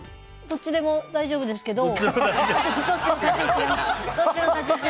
どっちでも大丈夫ですけど。